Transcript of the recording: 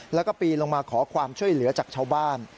แล้วก็ปีนลงมาขอความช่วยเหลือจากชาวบ้าน